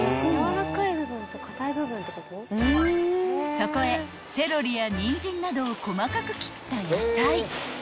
［そこへセロリやニンジンなどを細かく切った野菜］